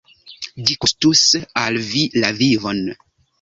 Ĝi kostus al vi la vivon.